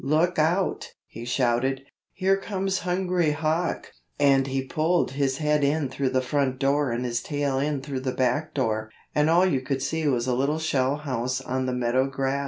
"Look out!" he shouted, "here comes Hungry Hawk!" And he pulled his head in through the front door and his tail in through the back door, and all you could see was a little shell house on the meadow grass.